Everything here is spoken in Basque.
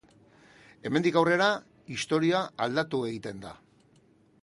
Hemendik aurrera, istorioa aldatu egiten da.